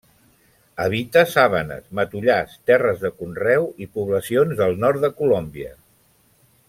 Habita sabanes, matollars, terres de conreu i poblacions del nord de Colòmbia.